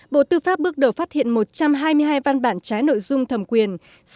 bộ tư pháp bước đầu phát hiện một trăm hai mươi hai văn bản trái nội dung thẩm quyền